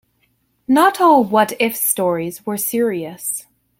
Not all "What if" stories were serious.